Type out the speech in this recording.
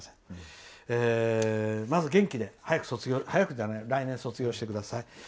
まず元気で来年卒業してください。